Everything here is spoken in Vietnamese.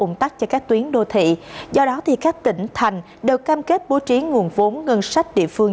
ủng tắc cho các tuyến đô thị do đó các tỉnh thành đều cam kết bố trí nguồn vốn ngân sách địa phương